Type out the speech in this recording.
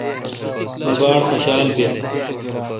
مہ باڑ خوشال بیل۔